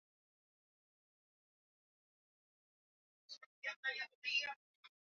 Wizara ya Vijana Utamaduni Sanaa na Michezo